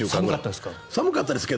寒かったですか？